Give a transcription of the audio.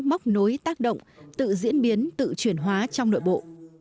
móc nối tác động tự diễn biến tự chuyển hóa trong nội bộ